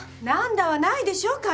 「何だ」はないでしょ！